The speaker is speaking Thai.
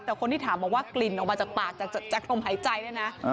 แต่คนที่ถามบอกว่ากลิ่นออกมาจากปากจากลมหายใจเนี่ยนะ